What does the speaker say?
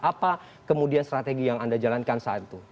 apa kemudian strategi yang anda jalankan saat itu